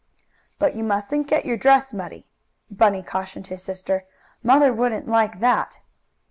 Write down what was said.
"But you mustn't get your dress muddy," Bunny cautioned his sister. "Mother wouldn't like that."